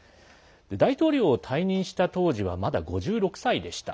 大統領を退任した当時はまだ５６歳でした。